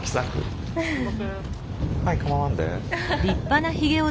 はいかまわんで。